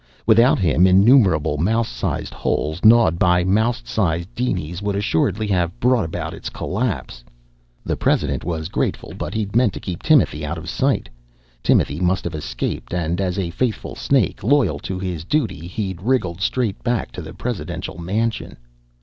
Without him innumerable mouse sized holes, gnawed by mouse sized dinies, would assuredly have brought about its collapse. The president was grateful, but he'd meant to keep Timothy out of sight. Timothy must have escaped and as a faithful snake, loyal to his duty, he'd wriggled straight back to the presidential mansion.